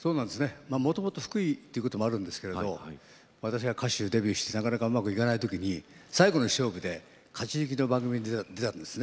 もともと福井ということもあるんですが私が歌手デビューしてなかなか、うまくいかない時に最後の勝負で勝ち抜きの番組に出たんです。